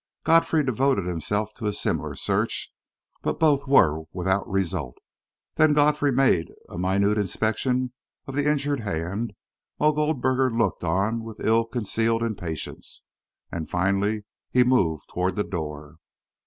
Godfrey devoted himself to a similar search; but both were without result. Then Godfrey made a minute inspection of the injured hand, while Goldberger looked on with ill concealed impatience; and finally he moved toward the door.